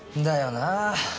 だよなぁ。